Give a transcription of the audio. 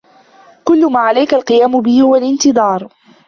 كل ما عليك القيام به هو الإنتظار.